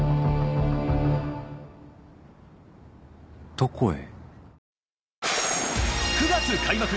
どこへ？